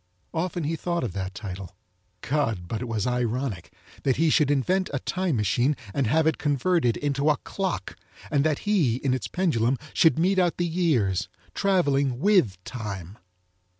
Often he thought of that title. God, but it was ironic, that he should invent a time machine and have it converted into a clock, and that he, in its pendulum, should mete out the years traveling with Time.